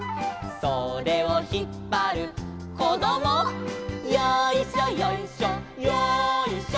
「それをひっぱるこども」「よいしょよいしょよいしょ」